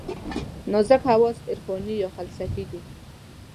نازک حواس عرفاني یا فلسفي دي.